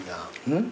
うん？